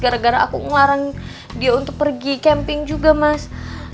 gara gara aku ngelarang dia untuk pergi camping juga mas